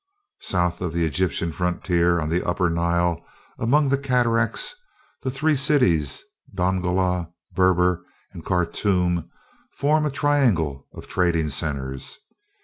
South of the Egyptian frontier, on the Upper Nile among the cataracts, the three cities, Dongola, Berber, and Khartoum form a triangle of trading centers.